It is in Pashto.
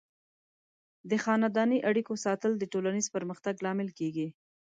د خاندنۍ اړیکو ساتل د ټولنیز پرمختګ لامل کیږي.